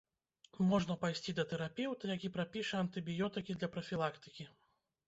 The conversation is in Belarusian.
Можна пайсці да тэрапеўта, які прапіша антыбіётыкі для прафілактыкі.